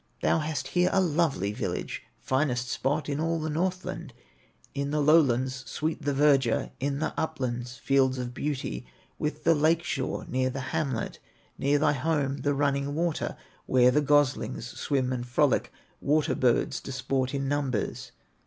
Thou hast here a lovely village, Finest spot in all of Northland, In the lowlands sweet the verdure, In the uplands, fields of beauty, With the lake shore near the hamlet, Near thy home the running water, Where the goslings swim and frolic, Water birds disport in numbers."